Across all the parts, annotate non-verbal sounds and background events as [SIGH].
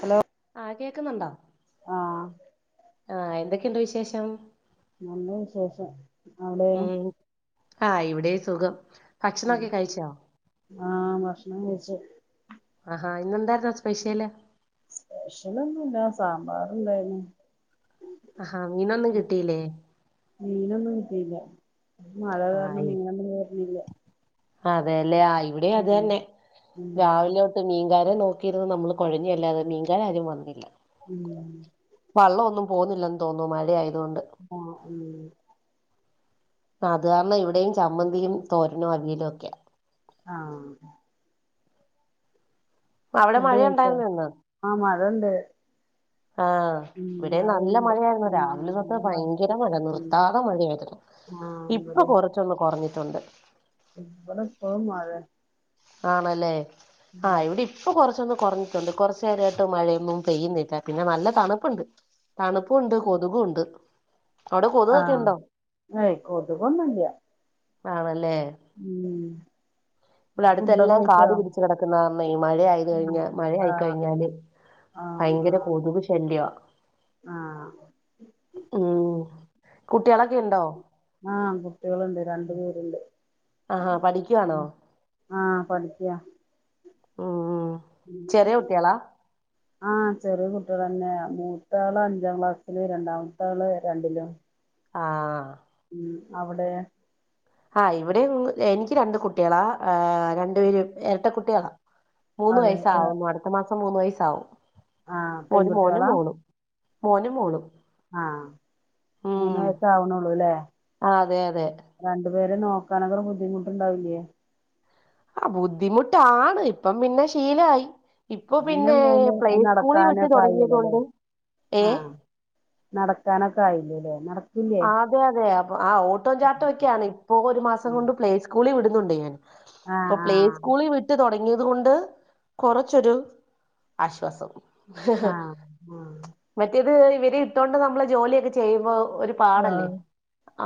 Hello. ആഹ് കേക്കുന്നുണ്ടോ ആഹ് ആഹ് എന്തൊക്കെണ്ട് വിശേഷം നല്ല വിശേഷം അവിടെ ഉം ആഹ് ഇവിടെ സുഖം ഭക്ഷണൊക്കെ കഴിച്ചോ. ആഹ് ഭക്ഷണം കഴിച്ചു ആഹാ ഇന്നെന്തായിരുന്നു സ്പെഷ്യല്. സ്പെഷ്യലൊന്നുല്ല സാമ്പാർണ്ടായിനിം ആഹാ മീനൊന്നും കിട്ടിയില്ലേ. മീനൊന്നും കിട്ടയില്ല മഴ കാരണം ആയി മീനൊന്നും വരലില്ല. അതെല്ലേ ആഹ് ഇവിടെ അതന്നെ ഉം രാവിലെ തൊ ട്ട് മീൻകാരെ നോക്കിയിരുന്ന് നമ്മള് കുഴഞ്ഞല്ലാതെ മീൻകാരാരും വന്നില്ല. ഉം ഉം വള്ളൊന്നും പോവുന്നില്ലെന്ന് തോന്നുന്നു മഴയായതുകൊണ്ട്. ആഹ് ഉം. അത് കാരണം ഇവിടെയും ചമ്മന്തിയും തോരനും അവിയലു ഒക്കെയ. ആഹ് അവിടെ ഫുഡ് മഴ കഴിച്ചോ ഉണ്ടായിരുന്നോ ഇന്ന് ആഹ് മഴണ്ട്. ആഹ് ഉം ഇവിടേം മഴ നല്ല പെയ്യ്ണ്ട് മഴയായിരുന്നു ഉം രാവിലെതൊട്ട് നല്ല മഴ ഭയങ്കര മഴ ഉം നിർത്താതെ മഴയായിരുന്നു. ആഹ് നിർ ഇപ്പൊകൊറച്ചൊന്ന് കൊറഞ്ഞിട്ടുണ്ട് ഇവടെ ഇപ്പയും മഴ ആണല്ലേ ആഹ് ഇവിടെ ഇപ്പ കൊറച്ച് ഒന്ന് കൊറഞ്ഞിട്ട് ഒണ്ട് കൊറച്ച് നേരായിട്ട് മഴ ഒന്നും പെയ്യുന്നില്ല പിന്നെ നല്ല തണുപ്പ്ണ്ട് തണുപ്പൂണ്ട് കൊതുകൂണ്ട് ആഹ് എയ് കൊതുക് ഒന്നും ഇല്ല ആണല്ലേ ഉം ഇവിടെ ഫുഡൊക്കെ അടുത്തെല്ലാം കഴിച്ചോ കാടു പിടിച്ച് കേടക്കുന്ന കാരണേ ഈ മഴ ആയി ആഹ് കഴിഞ്ഞാല് മഴ ആയി ആഹ് കഴിഞ്ഞാല് ആഹ് ഭയങ്കര ആഹ് കൊതുക് ശല്യ ആഹ് ഉം കുട്ട്യാളൊക്കെ ഇണ്ടോ ആഹ് കുട്ടികള്ണ്ട് രണ്ടു പേര്ണ്ട് ആഹാ പഠിക്കുവാണോ ആഹ പഠിക്കയാ ഊം [UNINTELLIGIBLE] ആഹ് ചെറിയ കുട്ടികള് തന്നെ മൂത്താള് അഞ്ചാം ക്ലാസ്സില് രണ്ടാമത്താള് രണ്ടിലും ആഹ് ഉം അവിടെ ആഹ് ഇവിടെം എനിക്ക് രണ്ട് കുട്ടികളാ ഏഹ് രണ്ടു പേരും എരട്ട കുട്ടികളാ മൂന്ന് അതെ വയസ്സ് ആവുന്നു അടുത്ത മാസം മൂന്ന് വയസ്സാവും ആഹ് ഒരു മോനും പെൺകുട്ടികളാ മോളും മോനും മോളും ആഹ് മൂന്ന് ഉം വയസ്സ് ആവണൊള്ളൂലേ അതെ അതെ രണ്ടു പേരെ നോക്കണത് ഒരു ബുദ്ധിമുട്ട് ഒണ്ടാവില്ലേ ബുദ്ധിമുട്ടാണ് ഇപ്പം പിന്നെ ശീലായി ഇപ്പൊ പിന്നെ മൂന്ന് പ്ലേ സ്കൂളിൽ വിട്ട് നടക്കാനൊക്കെ ആയില്ലോ തൊടങ്ങിയത് കൊണ്ട് ഏഹ് നടക്കാന് ഒക്കെ ആയില്ലല്ലേ ന ആഹ് അതെ അതെ അപ്പ ആ ഓട്ടം ചാട്ടം ഒക്കെ ആണ് ഇപ്പോ ഒരു മാസം കൊണ്ട് പ്ലേ സ്കൂളിൽ വിടുന്നുണ്ടേ അപ്പൊ ആഹ് പ്ലേ ആഹ് സ്കൂളി വി വിട്ട് തൊടങ്ങിയത് കൊണ്ട് കൊറച്ച് ഒരു ആശ്വാസം. ആഹ് മറ്റേത് ഇവരെ ഇട്ടൊണ്ട് നമ്മള് ജോലി ഒക്കെ ചെയ്യുമ്പോ ഒരു ആഹ് പാടെല്ലെ. ആഹ്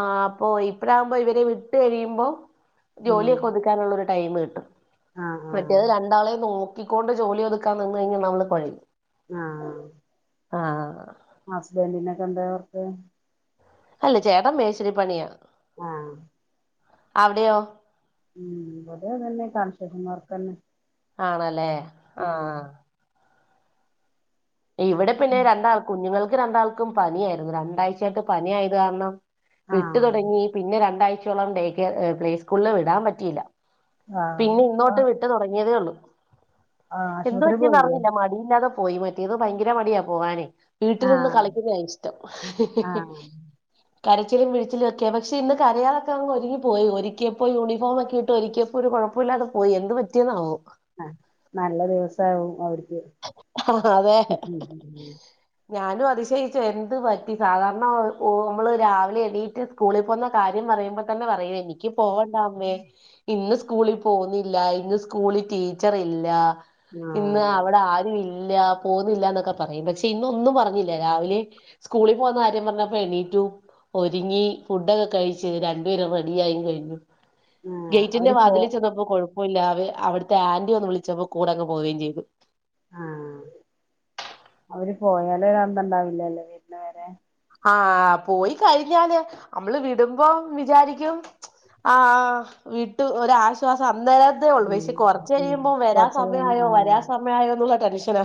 ആ അപ്പോ ഇപ്പഴാകുമ്പൊ ഇവരെ വിട്ട് കഴിയുമ്പം ജോലി ഉം ഒക്കെ ഒതുക്ക് ക്കാനു ഉള്ള ഒരു ടൈമ് കിട്ടും. ആഹ് മറ്റേത് ആഹ് രണ്ടാളെ നോ കിക്കൊണ്ട് ജോലി ഒതുക്കാൻ നിന്ന് കഴിഞ്ഞ നമ്മള് കൊഴിം. ആഹ് ആഹ് ഹസ്ബൻഡിന് ഒക്കെ എന്താ വർക്ക്. അല്ല ചേട്ടാ മേശരി പണ്യാ. ആഹ് അവിട്യാെ. ഉം ഇവിടിം അതെന്നെ കൺസഷൻ വർക്കെന്നെ. ആണല്ലേ ആഹ്. ഇവിടെ പിന്നെ രണ്ടാൾക്കും കുഞ്ഞുങ്ങൾക്ക് രണ്ടാൾക്കും പനിയായിരുന്നു. രണ്ടാഴ്ചയായിട്ട് പനിയായത് കാരണം. വിട്ടു ആഹ് തൊടങ്ങി പിന്നെ രണ്ടാഴ്ചയോളം ഡേക്കെ പ്ലേ സ്കൂളില് വിടാൻ പറ്റിയില്ല. ആഹ് പിന്നെ ഇന്നോട്ട് വിട്ട് തൊടങ്ങിയതേ ഒള്ളു. ആഹ് എന്ത് ആശുപത്രി പറ്റി എന്ന് പോയില്ലേ അറിഞ്ഞില്ല മടിയില്ലാതെ പോയി മറ്റേത് ഭയങ്കര മടിയാ പോകാനെ. വീട്ടിൽ നിന്ന് ആഹ് കളിക്കുന്ന്യെ ഇഷ്ടം. ആഹ് കരച്ചിലും വിഴിച്ചിലും ഒക്കെ പക്ഷേ ഇന്ന് കരയാതെ ഒക്കെ അങ്ങ് ഒരുങ്ങി പോയി. ഒരിക്കി അപ്പോ യൂണിഫോമൊക്കെ ഇട്ട് ഒരിക്ക്. ഒരു കൊഴപ്പം ഇല്ലാതെ പോയി എന്ത് പറ്റിയന്നാ ആവോ. ആ നല്ല ദിവസാവും അവര്ക്ക്. ആ അതെ ഞാനും അതിശയിച്ചു. എന്ത് പറ്റി സാധാരണ ഒ ഒ നമ്മള് രാവിലെ എണീറ്റ്. സ്കൂളിൽ പോകുന്ന കാര്യം പറയുമ്പ തന്നെ പറയും. എനിക്ക് പോകണ്ടാമ്മെ! ഇന്ന് സ്കൂളിൽ പോവുന്നില്ല. ഇന്ന് സ്കൂളിൽ ടീച്ചർ ഇല്ല. ഇന്ന് അവടെ! ആഹ് ആരും ഇല്ല. പോവുന്നില്ലാന്നൊക്കെ പറയും. പക്ഷെ ഇന്നൊന്നും പറഞ്ഞില്ല. രാവിലെ! സ്കൂളിൽ പോകുന്ന കാര്യം പറഞ്ഞപ്പോ എണീറ്റു. ഒരുങ്ങി ഫുഡൊക്കെ കഴിച്ച്. രണ്ടുപേരും റെഡിയായി കഴിഞ്ഞു. ആഹ് ഗെയ്റ്റിന്റെ അവര് പോ വാതിലിൽ ചെന്നപ് കൊഴപ്പല്ലതെ അവിട്ത്തെ ആന്റി വന്ന് വിളിച്ചപ്പോ കൂടെങ്ങ് പോവുകയും ചെയ്തു. ആഹ്. അവര് പോയാല്. ഒര് അന്തണ്ടാവില്ലലെ? പിന്നെ വര. ആഹ്! പോയി കഴിഞ്ഞാല് നമ്മള് വിടുമ്പം വിചാരിക്കും! ആഹ്. വിട്ടു ഒരാശ്വാസം അന്നേരം! തേ ഒള്ളു. ഉം പക്ഷെ കൊറച്ച് ഉം കഴിയുമ്പം വരാൻ കൊറച്ച് കഴിഞ്ഞ് സമയായോ ആഹ് വരാൻ സമയമായൊന്ന്ള്ള ടെൻഷനാ.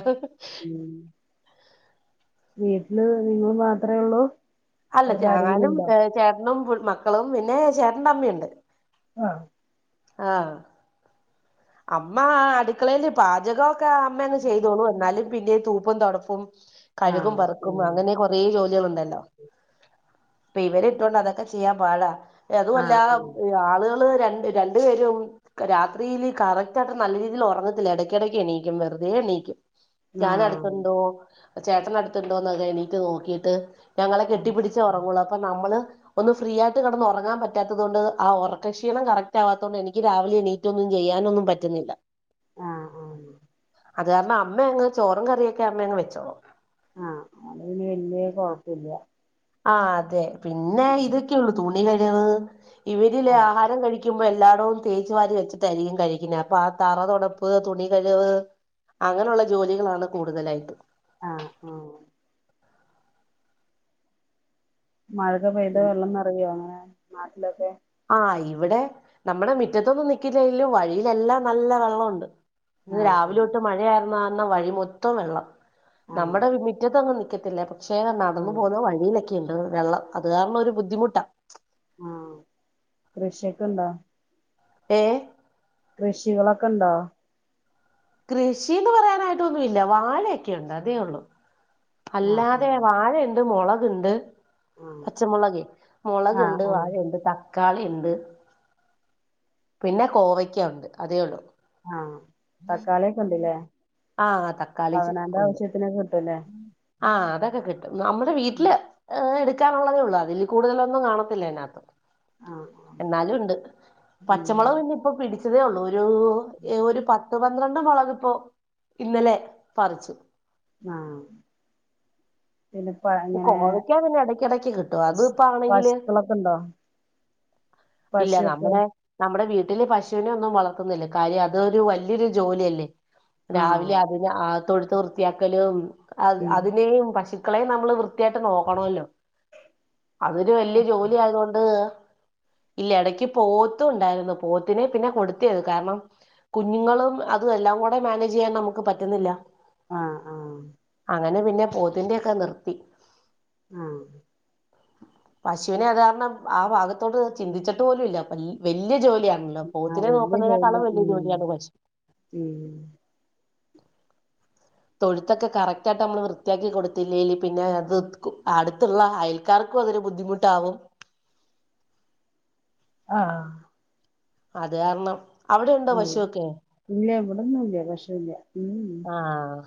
ഉം വീട്ടില് നിങ്ങള് മാത്രെ ഒള്ളു? അല്ല ഞാനും ചേട്ടനും മക്കളും പിന്നെ ചേട്ടന്റെ അമ്മി ഇണ്ട്. ആഹ്. ആഹ്. അമ്മ അടുക്കളേയില് പാചകൊക്കെ അമ്മന്ന്യെ ചെയ്തോളും. എന്നാലും പിന്നെ തൂപ്പും തൊടപ്പും. കഴുകും ആഹ് പറക്കും. അങ്ങനെ കൊറെ ജോലികളുണ്ടല്ലോ? ഇപ്പം ഇവരെ ഇട്ടോണ്ട് അതൊക്കെ ചെയ്യാൻ പാടാ. അതു ആഹ് അല്ലാ ആഹ് ആളുകള് രണ്ട് രണ്ടു പേരും രാത്രിയില് കറക്റ്റായിട്ട് നല്ല ഒറങ്ങത്തില്ല എടക്കിടയ്ക്ക് എണീക്കും വെറുതെ എണീക്കും ഞാൻ ആഹ് അടുത്തുണ്ടോ ചേട്ടന ടുത്തുണ്ടോന്നൊക്കെ എണീറ്റ് നോക്കിട്ട് ഞങ്ങളെ ആഹ് കെട്ടിപ്പിടിിച്ചു ത്തെ ഒറങ്ങുള്ളൂ അപ്പൊ നമ്മള് ഒന്ന് ഫ്രീ ആയിട്ട് കിടന്ന് ഒറങ്ങാൻ പറ്റാത്തതു കൊണ്ട് ആ ഒറക്ക ക്ഷീണം കറക്റ്റ് ആവാത്തതൊണ്ട് എനിക്ക് രാവിലെ എണീറ്റ് ഒന്നും ചെയ്യാനൊന്നും പറ്റുന്നില്ല. ആഹ് ആഹ് അത് കാരണം അമ്മ അങ്ങ് ചോറും കറിയൊക്കെ അമ്മ യങ്ങ് വെച്ചോളും. ആഹ് അതോണ്ട് വല്ല്യ കൊഴപ്പില്ല ആഹ് അതെ പിന്നെ ഇതൊക്കെയെ ഉള്ളൂ തുണി കഴുകുന്നത്. ഇവരില്ലെ ആഹ് ആഹാരം കഴിക്കുമ്പോ എല്ലാടോം തേച്ചു വാരി വെച്ചിട്ടായിരിക്കും കഴിക്കുന്നെ അപ്പൊ ആ തറ തൊടപ്പ് തുണി കഴുക് അങ്ങനെയുള്ള ജോലികളാണ് കൂടുതലായിട്ട്. ആഹ് ആഹ് മഴ പെയ്ത് വെള്ളം നിറയോ ഇങ്ങളെ നാട്ടിലൊക്കെ ആഹ് ഇവിടെ നമ്മുടെ മിറ്റത്തൊന്നും നിക്കില്ലെങ്കിലും വഴിയിലെല്ലാം നല്ല വെള്ളൊണ്ട്. ഇന്ന് ആഹ് രാവിലെ ആഹ് തൊട്ട് മഴയായിരുന്ന കാരണം വഴി മൊത്തം വെള്ളം. ആഹ് നമ്മുടെ മി മിറ്റത്തൊന്നും നിക്കത്തില്ല. പക്ഷെ നടന്നു ആഹ് പോകുന്ന വഴിയിലൊക്കെയുണ്ട് വെള്ളം അത് കാരണം ഒരു ബുദ്ധിമുട്ടാ. ആഹ് കൃഷിയൊക്കെണ്ടോ? ഏഹ് കൃഷികളൊക്കെ ഇണ്ടോ? കൃഷിന്ന് പറയാനായിട്ടൊന്നുല്ല. വാഴയൊക്കെയുണ്ട്. അതേ ഉള്ളു ആഹ് അല്ലാതെ ആഹ് വാഴയുണ്ട് മൊളകുണ്ട്. ആഹ് പച്ചമുളകേ ആഹ് മുളകുണ്ട് ആഹ് വാഴയുണ്ട് ത ക്കാളി ഇണ്ട് പിന്നെ കോവയ്ക്ക ഉണ്ട്. അതേ ഉള്ളൂ ആഹ് തക്കാളിയൊക്കെ ഉണ്ടല്ലേ ആഹ് തക്കാളി ഉണ്ട് ഇതിനെക്കെ കിട്ടൂലേ ആഹ് അതൊക്കെ കിട്ടും. നമ്മുടെ വീട്ടില് ഏഹ് എടുക്കാനുള്ളതേ ഉള്ളൂ അതില് കൂടുതലൊന്നും കാണത്തില്ല അതിനകത്ത്. ആഹ് ആഹ് എന്നാലുണ്ട് ഉം പച്ചമൊളക് ഇനി ഇപ്പൊ പിടി ച്ചതേ ഒള്ളൂ ഒരൂ ഒരു പത്ത് പന്ത്രണ്ട് മൊളക് പ്പോ ഇന്നലെ പറിച്ചു. ആഹ്. പിന്നെ പ ഇങ്ങനെ കോവയ്ക്ക പിന്നെ എടക്കടക്ക് കിട്ടും അത് ഇപ്പാണെങ്കില്. പശുക്കളൊക്കെ ഉണ്ടോ ഇല്ല പശുവൊക്കെ നമ്മടെ നമ്മടെ വീട്ടില് പശൂനെ ഒന്നും വളർത്തുന്നില്ല കാര്യം അതൊരു വല്ല്യൊരു ജോലിയല്ലേ. രാവിലെ ആഹ് അതിനെ ആഹ് തൊഴുത്ത് വൃത്തിയാക്കലും അത് ഉം അതിനെയും പശുക്കളെയും ന നമ്മള് വൃത്തി ആയിട്ട് നോക്കണോല്ലോ അതൊരു വല്ല്യ ജോലി ആയത്കൊണ്ട്. ഇല്ല എടയ്ക്ക് പോത്തുണ്ടായിരുന്നു പോത്തിനെ പിന്നെ കൊടുത്തിയത് കാരണം. കുഞ്ഞുങ്ങളും അതും എല്ലാം കൂടെ മാനേജെയ്യാൻ നമുക്ക് പറ്റുന്നില്ല. ആഹ് ആഹ്. അങ്ങനെ പിന്നെ പോതിന്റെയൊക്കെ നിർത്തി. ആഹ്. [INAUDIBLE] പശുവിനെ അത് കാരണം ആ ഭാഗത്തോട് ചിന്തിച്ചിട്ട് പോലുല്ല വല്ല്യ ജോലിയ ഇല്ല ആഹ് പോത്തിനെ വല്യ ജോലിയ നോക്കുന്നതിനേക്കാളും വലിയ ഉം ജോലിയാണ് പശു ഉം തൊഴുത്തൊക്കെ കറക്റ്റായിട്ട് അമ്മള് വൃത്യാക്കി കൊടുത്തില്ലേല് പിന്നെ അത് കു അടുത്തുള്ള അയ ക്കാർക്കും അതൊര് ബുദ്ധിമുട്ടാകും ആഹ്. അത് കാരണം. അവടെണ്ടോ ഉം പശുവൊക്കെ ഇല്ല ഇവിടൊന്നുംല്ല പശുല്ല ഉം ആഹ്.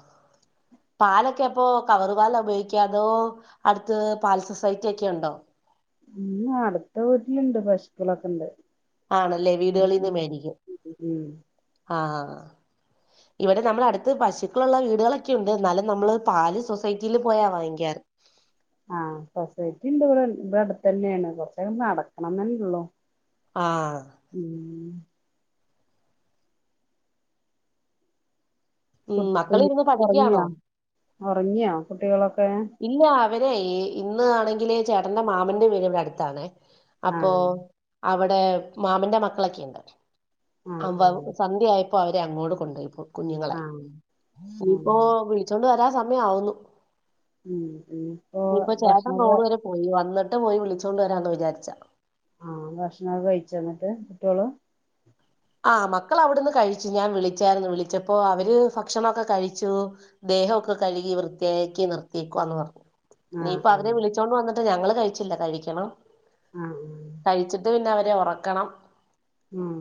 പാലൊക്കെ അപ്പോ കവറ് പാല ഉപയോയിക്കാ അതോ അടുത്ത് പാൽ സൊസൈറ്റി ഒക്കെ ഉണ്ടോ? ഇന്ന അടുത്ത വീട്ടിലുണ്ട് പശുക്കളൊക്കെ ഇണ്ട്. ആണല്ലേ വീടുകളിന്ന് മേരിക്കും ഉം ആഹ് ഇവടെ നമ്മളടുത്ത് പശുക്കളുള്ള വീടുകളൊക്കെ ഇണ്ട് എന്നാലും നമ്മള് പാല് സൊസൈറ്റിയില് പോയാ വാങ്ങിക്കാറ്. ആഹ് സൊസൈറ്റി ഇണ്ട് ഇവടെ ഇവിടടുത്തന്നെണ് കൊറച്ച നടക്കണംന്നള്ളൂ. ആഹ്. ഉം. കു ഉം കുറഞ്ഞ മക്കളിരുന്ന് പഠിക്കയാണോ ഒറങ്ങിയോ ഒറങ്ങിയോ കുട്ടികളൊക്കെ? ഇല്ല അവരെയ് ഇന്ന് ആണെങ്കില് ചേട്ടന്റെ മാമന്റെ വീ ഇവടെ അടുത്താണേ. അപ്പോ ആഹ് അവടെ മാമന്റെ മക്കളൊക്കെ ഇണ്ട് ആഹ് അവ ആഹ് സന്ധ്യയ പ്പൊ അവരെ അങ്ങോട് കൊണ്ടോയി കുഞ്ഞുങ്ങളെ ആഹ് ആഹ് ഇനിപ്പോ വിളിച്ചോണ്ട് വരാൻ സമയാവുന്നു. ഉം ഇന്നിപ്പോ ഇനിയിപ്പോ ചേട്ടൻ ബക്ഷണൊക്കെ. റോഡ് വരെ പോയി വന്നിട്ട് പോയി വിളിച്ചോണ്ട് വരാന്ന് വിചാരിച്ച. ആഹ് ഭക്ഷണൊക്കെ കഴിച്ചോ ന്നിട്ട് കുട്ട്യോള്. ആഹ് മക്കളവ്ടുന്ന് കഴിച്ചു ഞാൻ വിളിച്ചാരുന്നു വിളിച്ചപ്പോ അവര് ഫക്ഷണൊക്കെ കഴിച്ചു. ദേഹൊക്കെ കഴുകി വൃത്തിയാക്കി നിർത്തിയേക്കുവാന്ന് പറഞ്ഞു. ആഹ് ഇനീയിപ്പം ആഹ് അവരെ വിളിച്ചോണ്ട് വന്നിട്ട് ഞങ്ങള് കഴിച്ചില്ല കഴിക്കണം. ആഹ്. കഴിച്ചിട്ട് പിന്നെ അവരെ ഒറക്കണം. ഉം.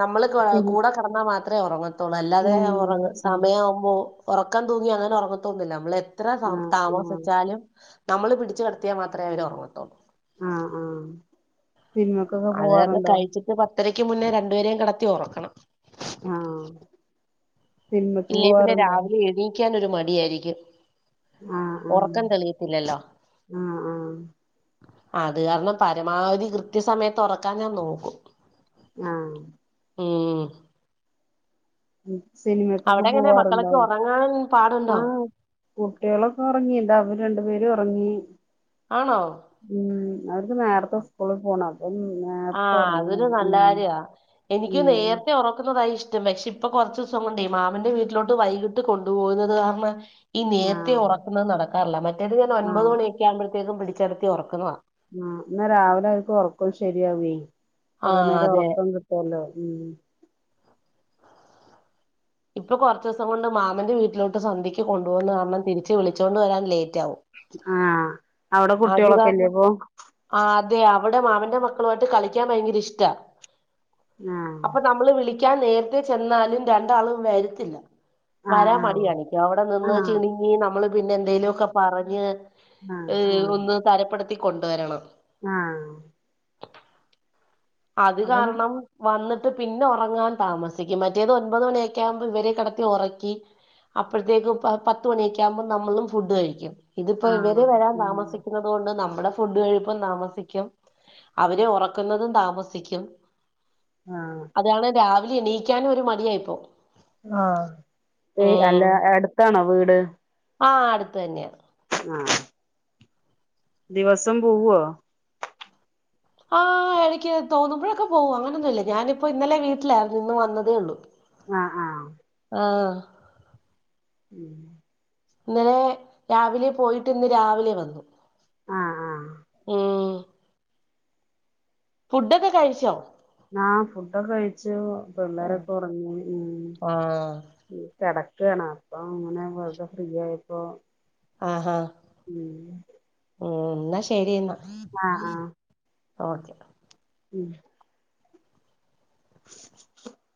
നമ്മള് ശരി കൂടെ കെടന്നാ മാത്രേ ഒറങ്ങത്തൊള്ളൂ അല്ലാതെ ഉം ഒറങ്ങ ആഹ് സമയാവുമ്പോ. ഒറക്കം തൂങ്ങി അങ്ങനെ ഒറങ്ങത്തൊന്നുല്ല നമ്മള് എത്ര ആഹ് ആഹ് താമസിച്ചാലും. നമ്മള് പിടിച്ച്ച് കെടത്യാ മാത്രമേ അവര് ഒറങ്ങത്തൊള്ളൂ. ആഹ് ആഹ് പിമ അത് കാരണം കഴിച്ചിട്ട് പത്തരക്ക് മുന്നേ രണ്ടുപേരെയും കെടത്തി ഒറക്കണം. ആഹ് സിനിമക്ക് പോവാറുണ്ടോ? ക്കാനൊരു മടിയാരിക്കും ആഹ് ആഹ് ഒറക്കം തെളിയത്തില്ലല്ലോ. ആഹ് ആഹ് അത് കാരണം പരമാവധി കൃത്യസമയത്ത് ഒറക്കാൻ ഞാൻ നോക്കും ആഹ് ഏഹ് ഉം സിനിമക്കൊക്കെ അവിടെ എങ്ങനെ പോവാറുണ്ടോ മക്കളൊക്കെ ഉറങ്ങാൻ പാടുണ്ടോ ആഹ് കുട്ടിയാളൊക്കെ ഉറങ്ങിണ്ടവര് രണ്ടു പേരു ഒറങ്ങി ആണോ ഉം അവർക്ക് നേർ ത്തെ സ്കൂള് പോണ പ്പന്ന് നേർത്തെ ആഹ് ഉറങ്ങു അതൊരു നല്ല ഉം കാര്യ ഉം ണ്ട് പക്ഷിപ്പൊ കൊറച്ച്സം കൊണ്ടെ മാമന്റെ വീട്ടിലോട്ട് വൈകിട്ട് കൊണ്ടു പോകുന്നത് കാർണം ഈ നേരത്തെ ആഹ് ഒറക്കുന്നത് നടക്കാറില്ല മറ്റേത് ഞാൻ ഒൻപത് ആഹ് മണിയൊക്കെയാവുമ്പോഴത്തേക്കും പിടിച്ചെടത്തി ഒറക്കുന്നതാണ് ആഹ് ന്നാ രാവിലെ അവർക്കൊറക്കോം ശരിയാവേ കൊറേ ആഹ് നേരം അതെ ഒറക്കം ട്ടല്ലോ ഉം ഇപ്പൊ കൊർചൂസം കൊണ്ട് മാമന്റെ വീട്ടിലോട്ട് സന്ധിക്ക് കൊണ്ടു പോവുന്ന കാരണം തിരിച്ച് വിളിച്ചോണ്ട് വരാൻ ലേറ്റാവും ആഹ് അവടെ കുട്ടിയോളൊക്കെല്ലപ്പൊ ആഹ് അതെ അവടെ മാമന്റെ മക്കളുമായിട്ട് കളിക്കാൻ ഭയങ്കര ഇഷ്ടാ ആഹ് അപ്പൊ നമ്മള് വിളിക്കാൻ നേരത്തെ ചെന്നാലും രണ്ടാളും വരത്തില്ല വരാ ആഹ് മടിയാണിക്കും അവിടെ നിന്ന് ആഹ് ചിണുങ്ങി നമ്മള് പിന്നെ എന്തേലൊക്കെ പറഞ്ഞ് ആഹ് ഏ ആഹ് ഒന്ന് തരപ്പെടുത്തി കൊണ്ടുവരണം ആഹ് അത് അപ്പം കാരണം വന്നിട്ട് പിന്നെ ഒറങ്ങാൻ താമസിക്കും മറ്റേത് ഒൻപത് മണിയൊക്കെയാവുമ്പോ ഇവരെ കിടത്തി ഒറക്കി അപ്പോഴ്ത്തേക്കും പത്ത് മണിയൊക്കെയാവുമ്പോ നമ്മളും ഫുഡ് കഴിക്കും ഇതിപ്പോ ആഹ് ഇവര് വരാൻ ഉം താമസിക്കു ന്നോണ്ട് നമ്മടെ ഫുഡ് കഴിപ്പും താമസിക്കും അവരെ ഒറക്കുന്നതും താമസിക്കും ആഹ് അതാണ് രാവിലെണീക്കാനു ഒരു മടിയായിപ്പോവും ആഹ് യ അല്ല അടുത്താണോ വീട് ആഹ് അടുത്ത് തന്നെയ ആഹ് ദിവസം പോവോ ആഹ് എടക്ക് തോന്നുമ്പൊഴൊക്കെ പോകും അങ്ങനൊന്നുല്ല ഞാനിപ്പോ ഇന്നലെ വീട്ടിലായിര്ന്ന് ഇന്ന് വന്നതേയുള്ളൂ ആഹ് ആഹ് ആഹ് ഉം ഇന്നലെ രാവിലെ പോയിട്ടിന്ന് രാവിലെ വന്നേ ആഹ് ആഹ് ഏഹ് ഫുഡൊക്കെ കഴിച്ചോ ആഹ് ഫുഡൊക്കെ കഴിച്ചു ആഹ് പിള്ളേരൊക്കെ ഒറങ്ങി ഉം ആഹ് കെടക്കാണ് അപ്പൊ ങ്ങനെ വെർതെ ഫ്രീ ആയപ്പോ ആഹാ ഉം ഉം ന്ന ശരിയെന്നാ ആഹ് ആഹ് ഓക്കെ ഉം [UNINTELLIGIBLE]